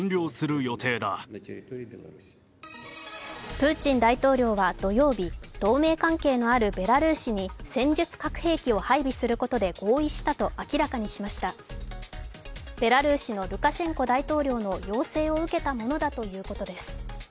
プーチン大統領は土曜日、同盟関係のあるベラルーシに戦術核兵器を配備することで合意したと明らかにしましたベラルーシのルカシェンコ大統領の要請を受けたものだということです。